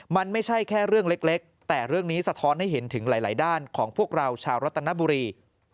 มันไม่ใช่แค่เรื่องเล็กแต่เรื่องนี้สะท้อนให้เห็นถึงหลายด้านของพวกเราชาวรัตนบุรี